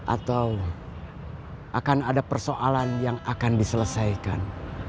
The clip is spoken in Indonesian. atau akan ada persoalan yang akan diselesaikan